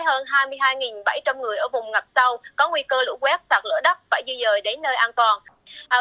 lũ lớn đã khiến bảy sáu trăm linh hộ gian ở đây với hơn hai mươi hai bảy trăm linh người ở vùng ngập sâu có nguy cơ lũ quét sạt lửa đất và dư dời đến nơi an toàn